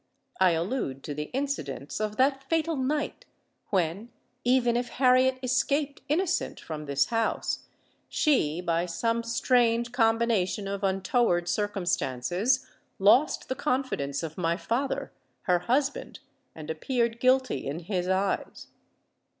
I allude to the incidents of that fatal night, when, even if Harriet escaped innocent from this house, she, by some strange combination of untoward circumstances, lost the confidence of my father—her husband—and appeared guilty in his eyes."